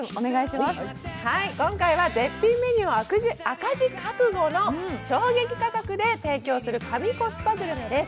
今回は絶品メニューを赤字覚悟の衝撃価格で提供する神コスパグルメです。